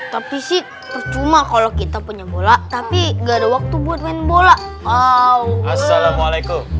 tapi sih percuma kalau kita punya bola tapi gak ada waktu buat main bola oh assalamualaikum